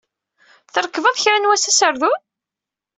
Trekbeḍ kra n wass aserdun?